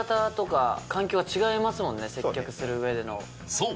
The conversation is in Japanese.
そう！